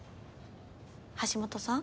橋本さん